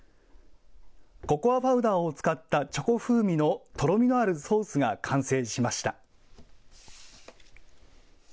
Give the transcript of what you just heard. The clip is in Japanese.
ココアパウダーを使ったチョコ風味のとろみのあるソースが完成しました。